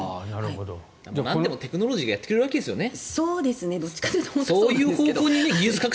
なんでもテクノロジーがやってくれるわけですよね。